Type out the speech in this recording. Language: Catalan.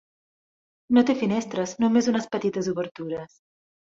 No té finestres, només unes petites obertures.